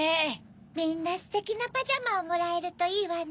みんなステキなパジャマをもらえるといいわね。